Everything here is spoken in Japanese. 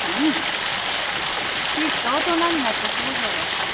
きっと大人になったせいじゃろう。